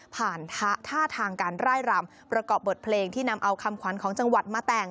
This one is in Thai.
ท่าทางการไล่รำประกอบบทเพลงที่นำเอาคำขวัญของจังหวัดมาแต่ง